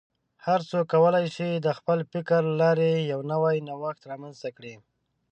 هر څوک کولی شي د خپل فکر له لارې یو نوی نوښت رامنځته کړي.